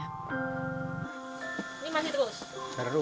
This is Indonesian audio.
ini masih terus